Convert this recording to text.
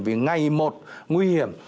vì ngày một nguy hiểm